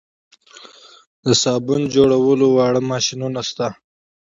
د صابون جوړولو واړه ماشینونه شته